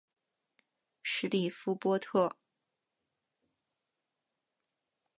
什里夫波特。